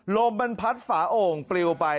ลมมันพัดฝาโอ่งปลิวไป